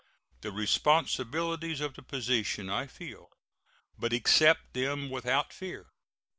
The responsibilities of the position I feel, but accept them without fear.